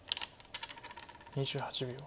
２８秒。